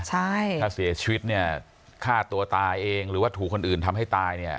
ถ้าเสียชีวิตเนี่ยฆ่าตัวตายเองหรือว่าถูกคนอื่นทำให้ตายเนี่ย